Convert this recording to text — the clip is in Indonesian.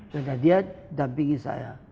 karena dia dampingi saya